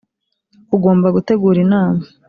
Ugomba gutegura inama